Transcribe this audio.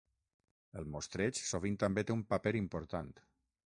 El mostreig sovint també té un paper important.